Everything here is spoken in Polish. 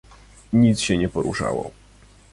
"Nic się nie poruszało."